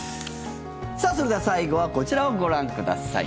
さあ、それでは最後はこちらをご覧ください。